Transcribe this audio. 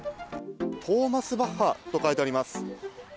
トーマス・バッハと書いてあります。